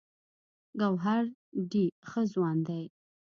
ګوهر ډې ښۀ ځوان دی